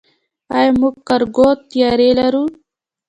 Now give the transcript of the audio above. آیا موږ کارګو طیارې لرو؟